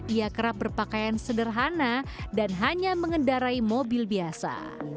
ia kerap berpakaian sederhana dan hanya mengendarai mobil biasa